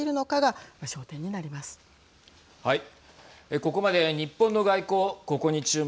ここまで日本の外交ここに注目。